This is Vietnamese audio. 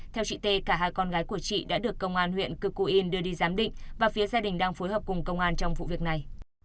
theo chị tê cả hai con gái của chị đã được công an huyện cư cù yên đưa đi giám định và phía gia đình đang phối hợp cùng công an trong vụ việc này